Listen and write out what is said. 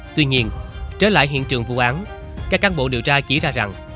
tuy nhiên trở lại hiện trường vụ án các cán bộ điều tra chỉ ra rằng